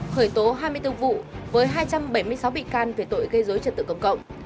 khởi tố hai mươi bốn vụ với hai trăm bảy mươi sáu bị can về tội gây dối trật tự công cộng